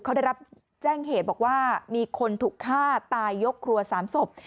เขาได้รับแจ้งเหตุบอกว่ามีคนถูกฆ่าตายยกครัว๓ศพ